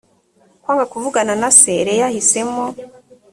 kwanga kuvugana na se leah ahisemo